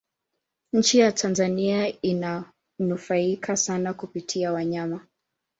nchi ya tanzania inanufaika sana kupitia wanyama